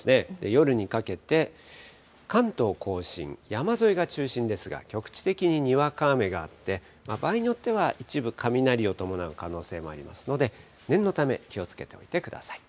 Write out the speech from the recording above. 夜にかけて、関東甲信、山沿いが中心ですが、局地的ににわか雨があって、場合によっては、一部、雷を伴う可能性もありますので、念のため、気をつけてみてください。